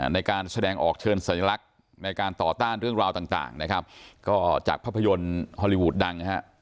ในการแสดงออกเชิญสัญลักษณ์ในการต่อต้านเรื่องราวต่างนะครับก็จากภาพยนตร์ฮอลลีวูดดังนะฮะ